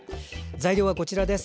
材料はこちらです。